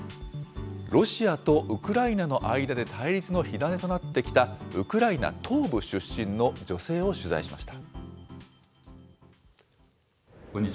ロシアとウクライナの間で対立の火種となってきた、ウクライナ東部出身の女性を取材しました。